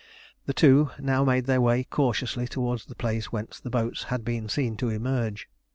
The two now made their way cautiously towards the place whence the boats had been seen to emerge.